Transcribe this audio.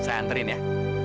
saya anterin ya